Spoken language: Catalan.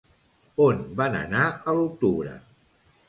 On van anar a l'octubre?